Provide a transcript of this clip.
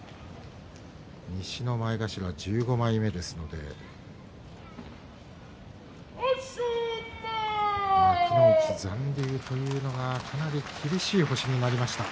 西の前頭１５枚目ですので幕内残留というのがかなり厳しい星になりました。